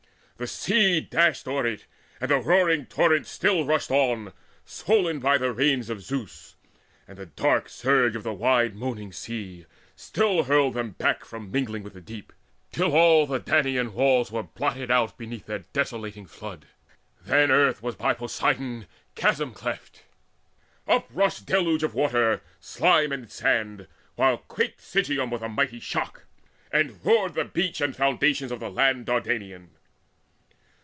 The sea Dashed o'er it, and the roaring torrents still Rushed on it, swollen by the rains of Zeus; And the dark surge of the wide moaning sea Still hurled them back from mingling with the deep, Till all the Danaan walls were blotted out Beneath their desolating flood. Then earth Was by Poseidon chasm cleft: up rushed Deluge of water, slime and sand, while quaked Sigeum with the mighty shock, and roared The beach and the foundations of the land Dardanian.